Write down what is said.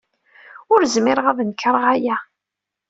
Ur zmireɣ ad nekṛeɣ aya.